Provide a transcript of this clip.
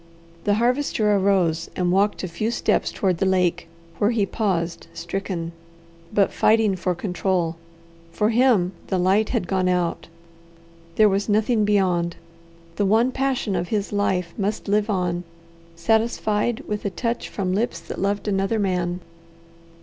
The Harvester arose and walked a few steps toward the lake, where he paused stricken, but fighting for control. For him the light had gone out. There was nothing beyond. The one passion of his life must live on, satisfied with a touch from lips that loved another man.